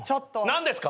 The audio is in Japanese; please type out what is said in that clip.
何ですか！